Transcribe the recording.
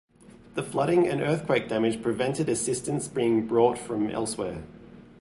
The flooding and earthquake damage prevented assistance being brought from elsewhere.